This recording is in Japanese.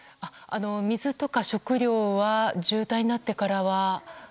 水とか食料は渋滞になってからは。